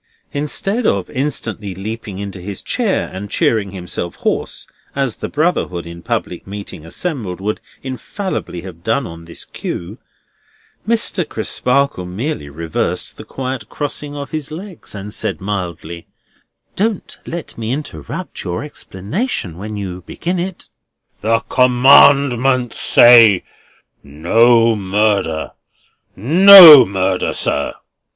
Instead of instantly leaping into his chair and cheering himself hoarse, as the Brotherhood in public meeting assembled would infallibly have done on this cue, Mr. Crisparkle merely reversed the quiet crossing of his legs, and said mildly: "Don't let me interrupt your explanation—when you begin it." "The Commandments say, no murder. NO murder, sir!"